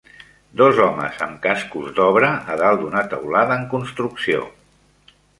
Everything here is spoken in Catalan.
Dos homes amb cascos d'obra a dalt d'una teulada en construcció.